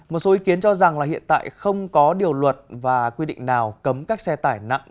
một số ý kiến cho rằng là hiện tại không có điều luật và quy định nào cấm các xe tải nặng